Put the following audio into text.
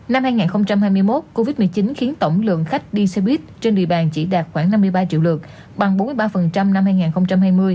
năm hai nghìn hai mươi một covid một mươi chín khiến tổng lượng khách đi xe buýt trên địa bàn chỉ đạt khoảng năm mươi ba triệu lượt bằng bốn mươi ba năm hai nghìn hai mươi